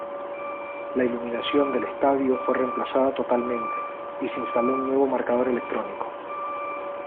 La iluminación del estadio fue reemplazada totalmente y se instaló un nuevo marcador electrónico.